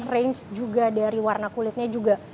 range juga dari warna kulitnya juga